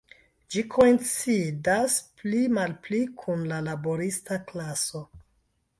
Ĝi koincidas pli malpli kun la laborista klaso.